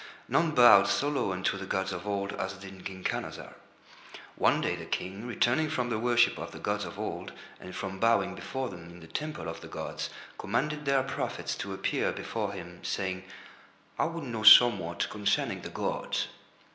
None bowed so low unto the gods of Old as did King Khanazar. One day the King returning from the worship of the gods of Old and from bowing before them in the temple of the gods commanded their prophets to appear before him, saying: "I would know somewhat concerning the gods."